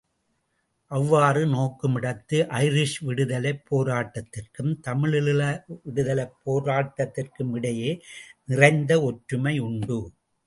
அவ்வாறு நோக்குமிடத்து, ஐரிஷ் விடுதலை போராட்டத்திற்கும் தமிழீழ விடுதலைப் போராட்டத்திற்குமிடையே நிறைந்த ஒற்றுமை உண்டு.